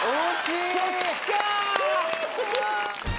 そっちか！